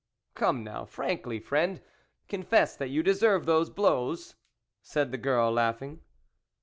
" Come now, frankly, friend, confess that you deserved those blows," said the girl, laughing.